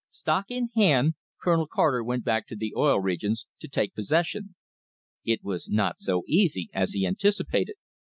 Stock in hand, Colonel Carter went back to the Oil Regions to take possession. It was not so easy as he anticipated.